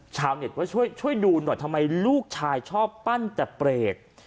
ชาวเน็ตว่าช่วยดูหน่อยทำไมลูกชายชอบปั้นแต่เปรต